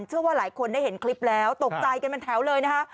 เชื่อว่าหลายคนได้เห็นคลิปแล้วตกใจกันเป็นแถวเลยนะคะ